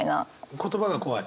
言葉が怖い。